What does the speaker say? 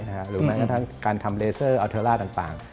หรือแม้กระทั่งการทำเลเซอร์อัลเทอร์ล่าต่าง